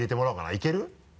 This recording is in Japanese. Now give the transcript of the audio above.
いける？